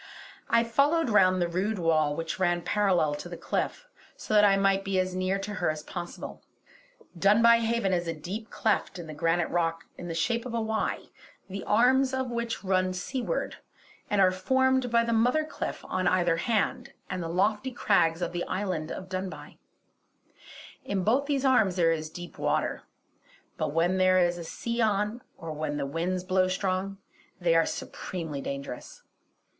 I followed round the rude wall which ran parallel to the cliff, so that I might be as near to her as possible. Dunbuy Haven is a deep cleft in the granite rock in the shape of a Y, the arms of which run seawards and are formed by the mother cliff on either hand and the lofty crags of the island of Dunbuy. In both these arms there is deep water; but when there is a sea on, or when the wind blows strong, they are supremely dangerous.